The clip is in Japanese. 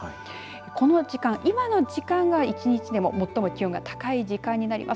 この時間、今の時間が１日で最も気温が高い時間になります。